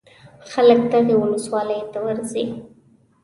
خلک دغې ولسوالۍ ته ورځي.